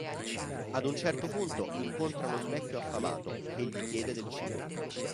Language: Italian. Ad un certo punto incontrano un vecchio affamato che gli chiede del cibo.